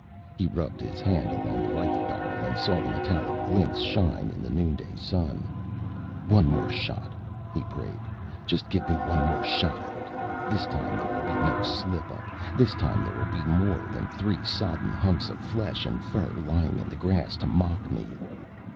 He rubbed his hand along the rifle barrel and saw the metallic glints shine in the noonday sun. One more shot, he prayed. Just give me one more shot at it. This time there will be no slip up. This time there will be more than three sodden hunks of flesh and fur lying in the grass to mock me.